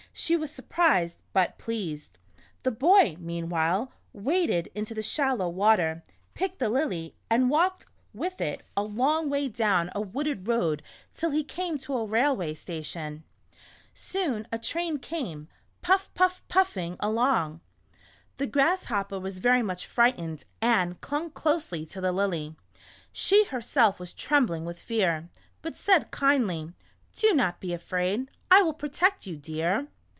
She was surprised, but pleased. The boy, meanwhile, waded into the shallow water, picked the Lily, and walked with it a long 126 A Grasshopper's Trip to the City. way down a wooded road till he came to a railway station. Soon a train came "puff, puff, puffing" along. The Grasshopper was very much fright ened, and clung closely to the Lily. She herself was trembling with fear, but said kindly, " Do not be afraid, I will protect you, dear."